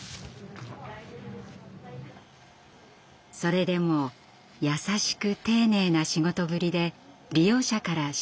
それでも優しく丁寧な仕事ぶりで利用者から信頼されています。